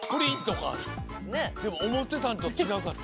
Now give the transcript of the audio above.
でもおもってたんとちがうかった。